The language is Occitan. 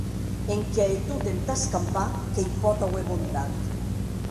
Enquia e tot ena escampa que i pòt auer bontat.